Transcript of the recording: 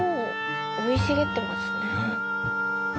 生い茂ってますね。